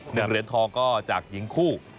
เหรียญทองก็จากหญิงคู่